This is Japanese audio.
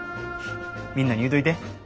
みんなに言うといて。